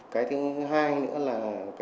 cái thứ hai nữa là